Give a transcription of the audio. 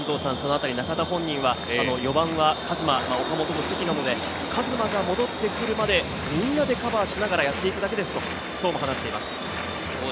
中田本人は４番は和真、岡本の席なので、和真が戻ってくるまで、みんなでカバーしながらやっていくだけですと話しています。